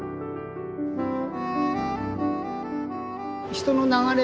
人の流れ